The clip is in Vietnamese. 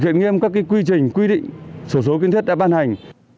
viện nghiêm các quy trình quy định sổ số kiên thiết đã ban hành